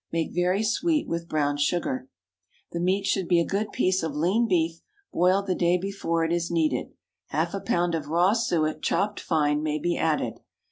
Make very sweet with brown sugar. The meat should be a good piece of lean beef, boiled the day before it is needed. Half a pound of raw suet, chopped fine, may be added.